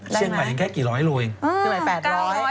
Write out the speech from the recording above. เชียงใหม่ยังแค่กี่ร้อยโลเอง